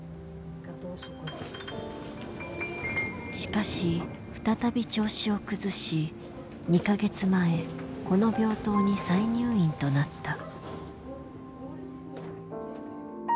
しかし再び調子を崩し２か月前この病棟に再入院となった。